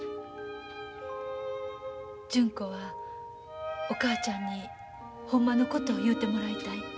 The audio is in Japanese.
純子はお母ちゃんにほんまのことを言うてもらいたい？